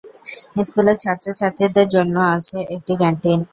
স্কুলের ছাত্র-ছাত্রীদের জন্য আছে একটি ক্যান্টিন।